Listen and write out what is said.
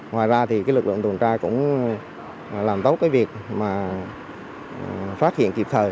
ngoài ra lực lượng tổn tra cũng làm tốt việc phát hiện kịp thời